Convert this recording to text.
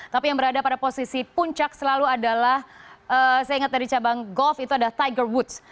tapi yang berada pada posisi puncak selalu adalah saya ingat dari cabang golf itu ada tiger woods